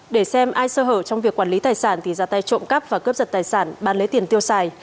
để xem ai sơ hở trong việc quản lý tài sản thì ra tay trộm cắp và cướp giật tài sản bán lấy tiền tiêu xài